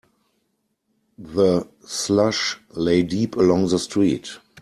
The slush lay deep along the street.